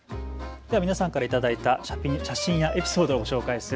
では皆さんから頂いた写真やエピソードを紹介する＃